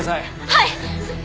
はい！